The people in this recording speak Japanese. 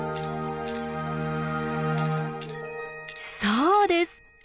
そうです！